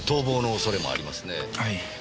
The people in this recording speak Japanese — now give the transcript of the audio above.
はい。